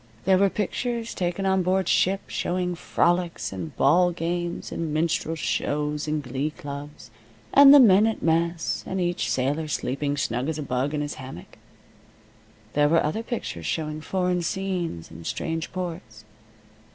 There were pictures taken on board ship, showing frolics, and ball games, and minstrel shows and glee clubs, and the men at mess, and each sailor sleeping snug as a bug in his hammock. There were other pictures showing foreign scenes and strange ports.